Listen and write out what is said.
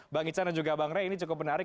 bang icah dan juga bang andre ini cukup menarik